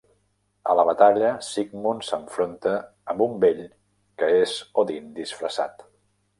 A la batalla, Sigmund s'enfronta amb un vell que és Odin disfressat.